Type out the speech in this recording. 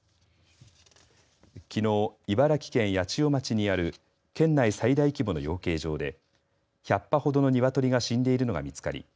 きのう茨城県八千代町にある県内最大規模の養鶏場で１００羽ほどの鶏が死んでいるのが見つかり